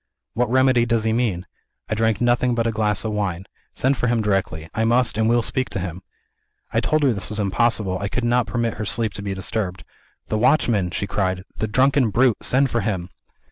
'What remedy does he mean? I drank nothing but a glass of wine. Send for him directly I must, and will speak to him!' I told her this was impossible; I could not permit his sleep to be disturbed. 'The watchman!' she cried; 'the drunken brute! send for him.'